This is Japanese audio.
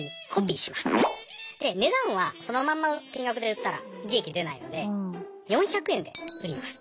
で値段はそのまんま金額で売ったら利益出ないので４００円で売ります。